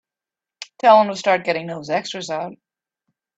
Tell them to start getting those extras out.